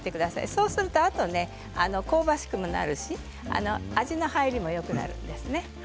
そうするとあと香ばしくもなるし味の入りもよくなりますね。